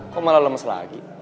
kok malah lemes lagi